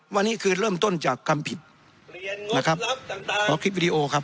วันนี้คือเริ่มต้นจากคำผิดเรียนนะครับขอคลิปวิดีโอครับ